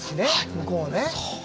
向こうはね。